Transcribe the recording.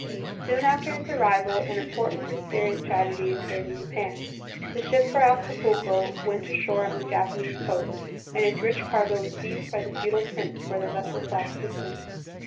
Soon after his arrival an important and serious tragedy occurred in Japan. The ship for Acapulco went ashore on the Japanese coast and its rich cargo was seized by the feudal prince where the vessel sought assist ance.